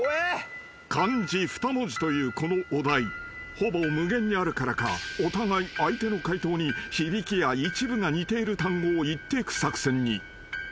［ほぼ無限にあるからかお互い相手の回答に響きや一部が似ている単語を言っていく作戦に］